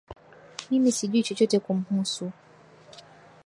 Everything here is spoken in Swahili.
Mimi sijui chochote kumhusu